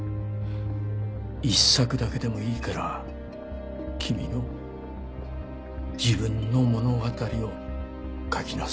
一作だけでもいいから君の自分の物語を書きなさいとね。